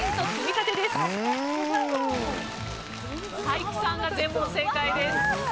才木さんが全問正解です。